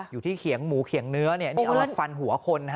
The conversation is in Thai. อยู่ที่เขียงหมูเขียงเนื้อเอามาฟันหัวคน